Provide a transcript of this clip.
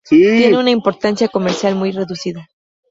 Tiene una importancia comercial muy reducida.